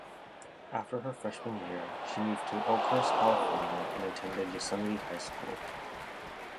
After her freshman year, she moved to Oakhurst, California and attended Yosemite High School.